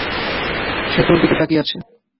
সে তোর দিকে তাকিয়ে আছে।